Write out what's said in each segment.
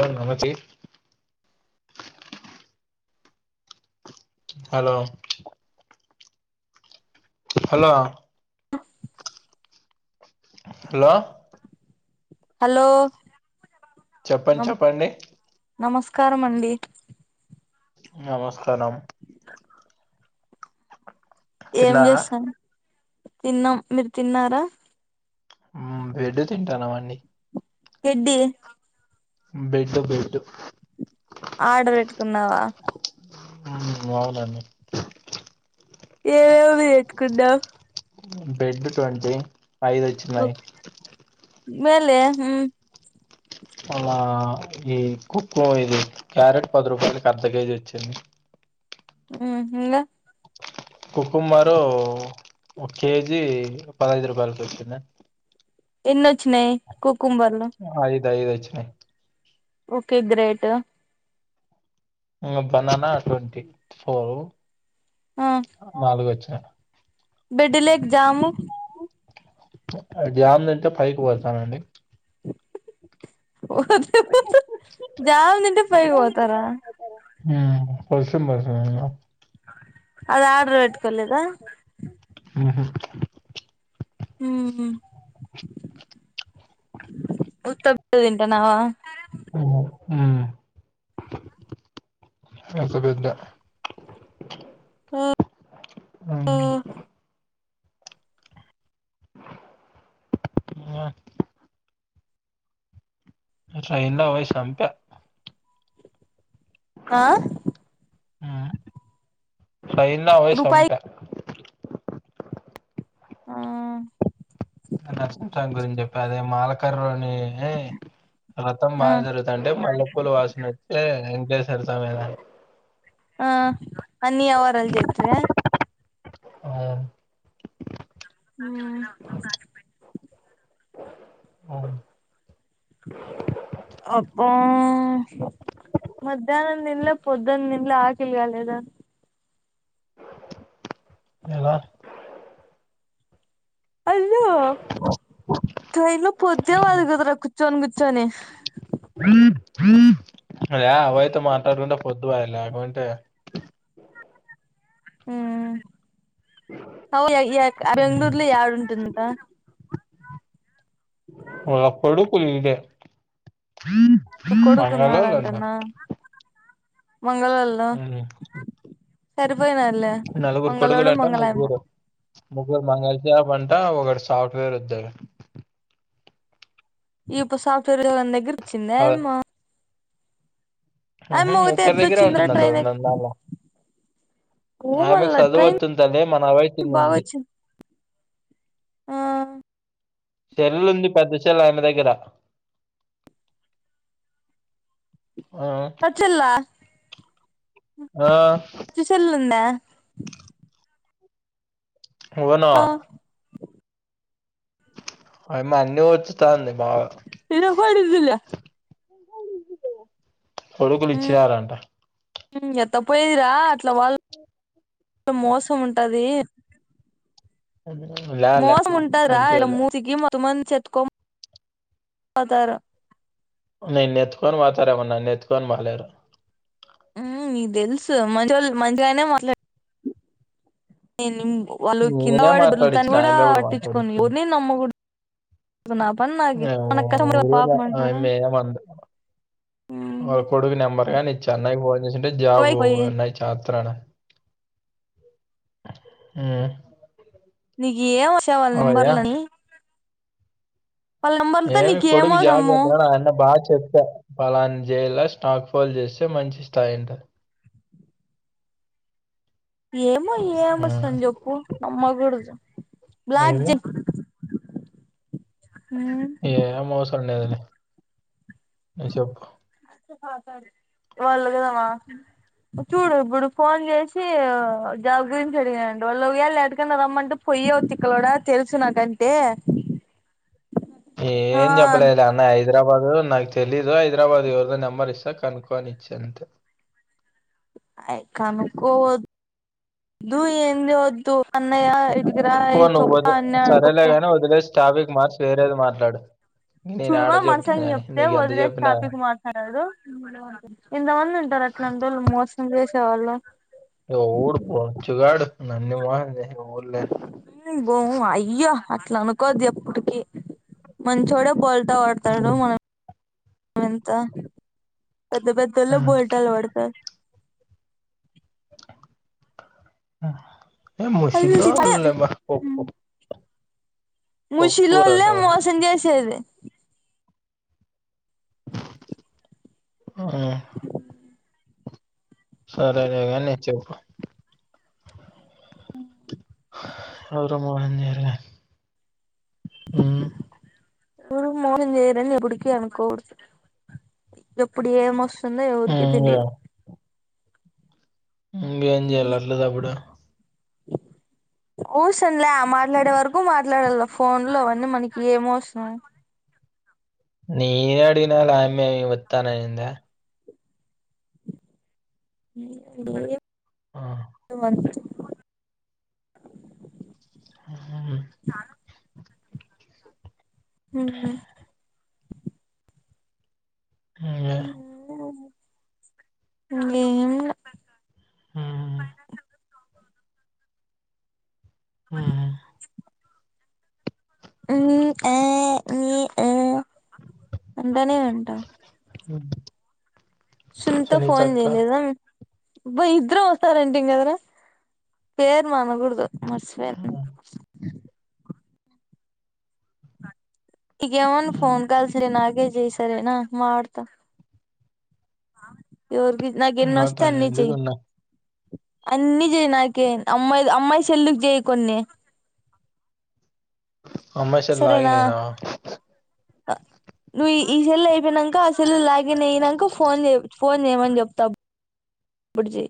ఓ నామాచి hello hello hello hello చెప్పండి న చెప్పండి నమస్కారం అండి నమస్కారం ఏం తిన్నారా చేస్తానవ్ తిన్నాం మీరు తిన్నారా ఉమ్ బెడ్ తింటాన్నాం అండి గడ్డి బెడు బెడ్ ఆర్డర్ పెట్టుకున్నావా ఉమ్ అవునండి ఏవేవి పెట్టుకున్నావ్ బెడ్ ట్వంటీ ఐదు వచ్చి ఓ మేలె మ్ మళ్ళా ఈ కుకో ఇది క్యారెట్ పది రూపాయలకి అర్ధ కేజీ వచ్చింది ఉమ్ ఇంగా కుకుంబరు ఒక కేజీ పద్ ఐదు రూపాయలకి వచ్చింది అన్ ఎన్ని ఒచ్చినాయి కుకుంబర్లు ఐద్ ఐద్ వచ్చినాయి ఓకే గ్రేట్ ఇంగ బనానా ట్వంటీ ఫోరు ఆ నాలుగు వచ్చినాయి బెడ్ లేక్ జాము ఆ జామ్ తింటే పైకి పోతానండి హ ఓ జామ్ తింటే పైకి పోతారా ఉమ్ వర్షం పడుతుంది గదా అది ఆర్డర్ వెట్టుకొలేదా ఉహు ఉహు ఉత్తప్ప తింటున్నావా టా నావా మ్ ఒక పెద్ద ఆ ఆ ఇంగ ట్రైన్ లో వయి సంప ఆ ఊ ట్రైన్ లా వయి సంప రూపాయి ఆ నరసిం సామి గురించి చెప్పి అదే మాలకరని రతం ఆ బాగా జరుగుతుంది త అంటే మల్లెపూలు వాసన వతె వెంకటేశ్వర స్వామి ఏ నాయె ఆ అని అవరల్ జతదా ఆవున్ ఊ అవును అబ్బా మధ్యాహ్నం తినల పొద్దున తినల ఆకిలి క లేదా ఎలా అయ్యో ట్రైన్ లో పొద్య వాదు కదరా కూర్చోని కూర్చోని హ అద అవయితే మాట్లాడకుంటే పొద్దు వయల లేకుంటే ఊ అవ్ యయ్య ఉమ్, బెంగళూర్లో యాడుంటుందాట వాల్ అపుడు పీజీ ఏ మంగలోల్ అంట మంగళవల ఉమ్, సరిపోయినారు నలుగురు కొడుకులంట ముగురు ముగ్గురు మంగళసాబ్ అంటా ఒక సాఫ్ట్వేర్ ఉద్యోగి ఇప్పుడు సాఫ్ట్వేర్ దగ్గర వచ్చిందామ్మా ఊహు ఒకతే ఒక్కర్ ఎట్లా దగ్గరే వచ్చిందిరా ట్రైన్ ఎ ఉంటుందంలో [unintelligible] ఆమెకు మళ్ళ చదువు ట్రైన్ వచింటాది మన వాయిస్ బాగా ఇనింది వచ్చింది ఆ సెల్లు ఉంది పెద్ద సెలు ఆమె దగ్గర ఆ వచ్చల్లా ఆ చూచల్ వుందా ఎవన్వా ఆ అయ్ మంది వచ్చుతాంది బాగా ఇన కోడుదిల్ల కొడుకులు ఇచ్చినారంట ఊ ఎత్తపోయదిరా అట్లా వాళ్ళు మోసం ఉంటది ఊ లా మోసం ఉంటారా ఇలా మూతికి మత్ మంద్ చెత్క పోతారు నెత్కోన్ పోతారెమో ననేత్కోన్ భాలేరు ఊ తెలుసు మంచోళ్లు మంచిగానే మాట్లాడ ఏ నిన్ వాళ్ళు నేనే కిందవడి దొర్లుతాంటి మాట్లాడించిన కూడా ఆమె ఇప్పుడు పట్టించుకోని మాట్లాడించింది ఊర్ నీ నమ్మకూడా ఇపుడు నా పన్ ఆ ఈ రోజా ఆమే ఏడ వంద్ వాళ్ళ కొడుకు నెంబర్ గాని ఇచ్చి అన్నయకి ఫోన్ చేసింటే పోయి జాబునచ్ త్రన ఉ నీకు ఏం వచ్చే వళ్ళ నంబర్లని నెంబర్లతో ఏ మీ నీకు కొడుగు జాబ్ ఏమవసరము చేతన్నాడు ఆ అన్న బాగా చెప్పా. పలానా చేయేలా స్టాక్ పోల్ చేస్తే మంచి స్థాయి అంటారు. ఏమో ఏమోస్తాం జప్పు నమ్మగూడదు జా బ్లాక్ ఏమి జ హ్ ఏం అవసరం లేదులే, చెప్పు. ఇవ్వాళ [unintelligible] మా చూడు ఇప్పుడు ఫోన్ చేసి జాబ్ గురించి అడిగానండి వాళ్ళు ఒకవేళ యాటికన్నా రమ్మంటే పోయ్యో తిక్కలోడా తెలుసు నాకంటే ఆ ఏం చెప్పలేదులే అన్నయ్య ఐ హైదరాబాద్ నాకు తెలీదు, హైదరాబాద్ ఎవరిదో నెంబర్ ఇస్తా కనుక్కొ అని ఇచ్చాను అంతే. కనుక్కోవ ద్దు ఏందీ వద్దు అన్నయ్యా పో నువ్వు అయితే, సరేలేగాని వదిలేసి టాపిక్ మార్చి వేరేది మాట్లాడు. నేను చూడవా ఆడ చెప్తాను మనసైడ్ నుంచి కానీ చెప్తే నీకు ఎంత వదిలేసి చెప్పినా టాపిక్ మా న్నాడు, ఎంతమంది ఉంటారు అట్లాంటోళ్లు మోసం చేసేవాళ్లు. ఎవడు బొచ్చు గాడు నన్ను [unintelligible] మేము బోము అయ్యో అట్లా అనుకోద్దు ఎప్పటికి. మంచోడే బోల్తా పడతాడు మనం ఎంత. పెద్దపెద్దోల్లే బోల్తాలు పడతారు. ఏ ముషలోల్లు లేమా వో వో. అంట ముశిలోల్లే వాళ్ళు మోసం చేసేది. ఆహా సరేలే గాని చెప్పు. అ ఎవరు మోసం చేయరుగా ఉ ఎవరు మోసం చేయరని ఎప్పటికీ అనుకోకూడదు, ఎప్పుడు ఏమొస్ అన్నది ఎవరికి ఇంగ తెలియదు. ఇంగేం చెయ్యాలే అట్లతప్పుడు. అవసరంలే మాట్లాడే వరకు మాట్లాడాల ఫోన్లో అవన్నీ మనకి ఏం అవసరం. నేనే అడిగినలే ఆమె వద్దని అనిందా. ఆ నువ్వు అను. ఆ ఉ ఇంగే, ఇంగేమ్లే. ఆ మ ఉమ్, హ్ ఏ ఏ ఆ అంటనే ఉంటవు. హ్ సునిత ఫోన్ చేయలేదా మీ అబ్బ ఇద్దరం ఒక్కసారి అంటిమే కదరా పేర్లు అనకూడదు మర్చిపోయాన్. ఉమ్, ఇగేమన్నా ఉమ్, ఫోన్ కాల్స్ నాకే చెయ్యి సరేనా మాట్లాడతా ఎవరికి నాకు ఎన్ని ఇంకా వస్తే అన్ని చెయ్ తండ్రిగా ఉన్నా అన్నీ చెయ్యి నాకి అమ్మాయి అమ్మాయి సెల్లుకి చెయ్యి కొన్ని అమ్మాయి సార్ సరేనా లాగినేనా ఉమ్, నువ్ సెల్ అయిపోయినాక అసలు లాగిన్ అయినాక ఫోన్ చే ఫోన్ ఏమని చెప్తావ్ ఇప్పుడు జై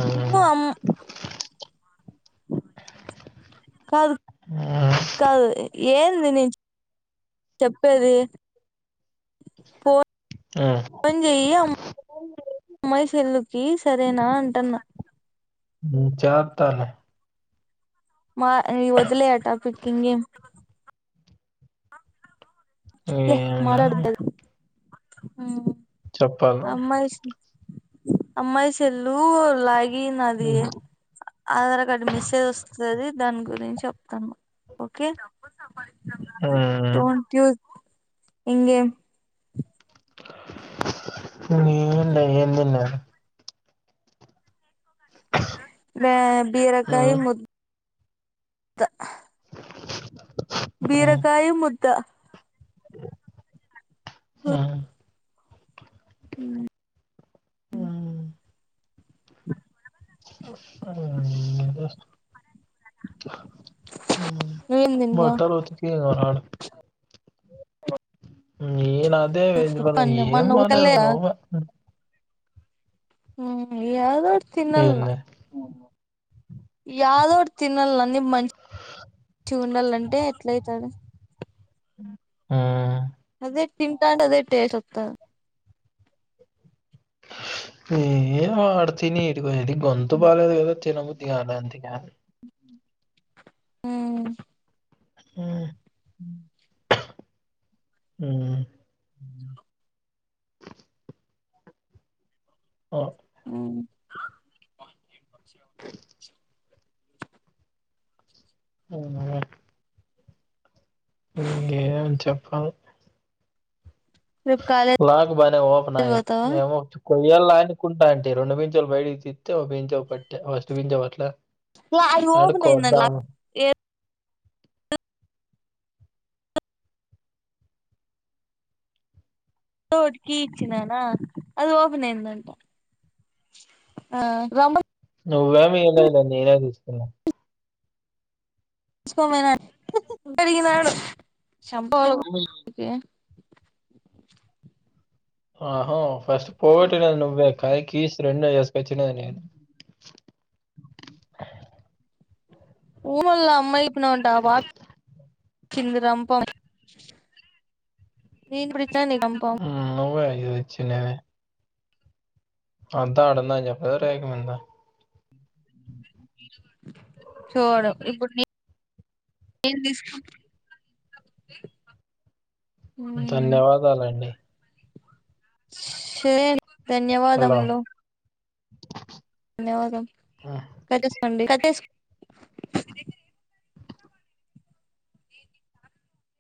ఉమ్, కాదు ఆ కాదు ఏంది నేను చెప్పేది ఆ ఫోన్ చెయ్యి అ అమ్మాయి సెల్లుకి సరేనా అంటున్నా మ్ చాత్తాలె మా ఈ వదిలేయి ఆ టాపిక్ ఇంగేమి లే ఏం లేదు మారాడదల్ చెప్పాలి అమ్మాయిల్స్ అమ్మాయిసెల్లు లాగి ఏందది ఉమ్, ఆధార్ కార్డు మిస్ అయి వస్తది దాని గురించి చెప్తాను ఓకే ఊ మ్ డోంట్ యూస్ ఇండియన్ ఏం లే ఏం తిన్నారు ఆ మ బరకాయ ము బీరకాయ ముద్ద హ్మ్ మ్ హలో ఇంట్రెస్ట్ మ్ ఏం తిన్నా బట్టలు ఉతికి ఇగ రాడా నేన్ అదే వెేజబల్ పన్న ఏం మొన్న మాలద ఊకలేదా రవ్వ యాడో ఒకటి తినాల్ల యాదోటి తినాల అన్నీ మంచించి ఉండాలంటే ఎట్ల అవుతది ఆ అదే తింటాటె అదే టేస్ట్ సొప్తా ఏ వాడుతిని ఇదిగోది గొంతు బాలేదు కదా తినబుద్ధిగాల అంతే ఇకా ఆ ఊ ఉ ఉమ్ ఆ ఆ అవును అలా నువ్వు ఏమి చెప్పాల రేపు కాలేజ్ లాకు బానే ఓపనాయె పోతావా నామో కొయ్యాల్ల ఆనుకుంటాంటి రెండు పించేల్లు [unintelligible] అది ఆడు ఓపెన్ అయింది కోద్దాము ఏ ఓడుకీ ఇచ్చినానా అది ఓపెన్ అయ్యిందంట ఆ రమ్మ నువ్వేం ఇయ్యలేదులే నేనే తీసుకున్నా తీసుకోని పోయినా [unintelligible] ఆహో ఫస్ట్ పోగోటిండేది నువ్వే కాయీ కీస్ రెండే చేసుకొచ్చిండేది నేను ఊ మల్ల అమ్మాయి ఇప్పినవంటా వా కింది రంపం [unintelligible] రంపం ఉమ్ నువ్వే ఇది ఇచ్చి నేనే అంతా ఆడుందని చెప్పదా రేకు మింద చువడు ఇప్పుడు నే నేను తీస్ [inaudible] ధన్యవాదాలండి సరే [inaudible] హలో! ధన్యవాదములు ధన్యవాదం హ్మ్. కట్టేసుకోండి కట్టెస్